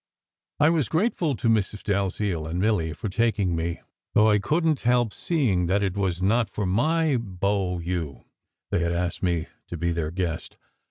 I was grateful to Mrs. Dalziel and Milly for taking me, though I couldn t help seeing that it was not for my beaux yeux they had asked me to be their guest.